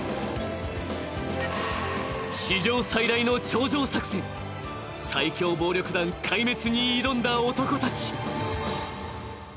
史上最大の頂上作戦、最凶暴力団壊滅に挑んだ男たち。